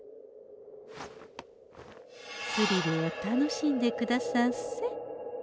スリルを楽しんでくださんせ。